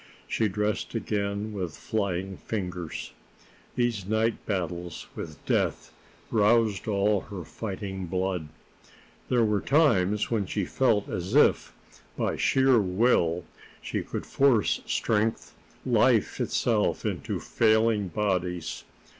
She dressed again with flying fingers. These night battles with death roused all her fighting blood. There were times when she felt as if, by sheer will, she could force strength, life itself, into failing bodies.